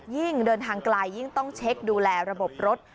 เดินทางไกลยิ่งต้องเช็คดูแลระบบรถ